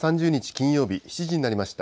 金曜日、７時になりました。